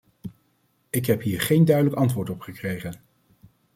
Ik heb hier geen duidelijk antwoord op gekregen.